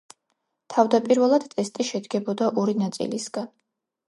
თავდაპირველად ტესტი შედგებოდა ორი ნაწილისგან.